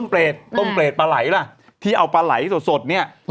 เปรตต้มเปรตปลาไหล่ล่ะที่เอาปลาไหลสดเนี่ย